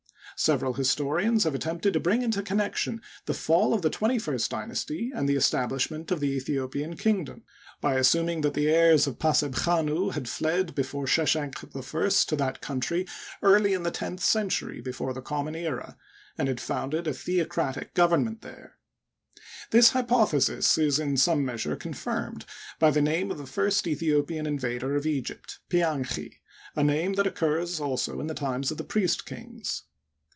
Several historians have attempted to bring into connection the fall of the twenty first dynasty and the establishment of the Aethiopian kingdom, by as suming that the heirs of Pasebchanu had fled before She Digitized byCjOOQlC AETHIOPIANS AND ASSYRIANS IN EGYPT, 113 shenq I to that country early in the tenth century before the common era, and had founded a theocratic govern ment there. This hypothesis is in some measure con firmed by the name of the first Aethiopian invader of Egypt, Pianchi, a name that occurs also in the times of the priest kings.